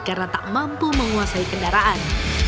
karena tak mampu menguasai kendaraan